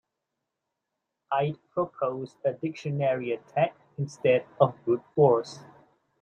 I'd propose a dictionary attack instead of brute force.